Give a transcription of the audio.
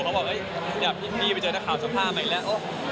เขาบอกเฮ้ยพี่เจอแต่ข่าวชมผ้ามากี่แล้ว